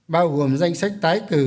bao gồm danh sách tái cử